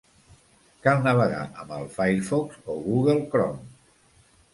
Cal navegar amb el Firefox o Google Chrome.